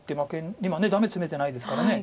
今ダメツメてないですから。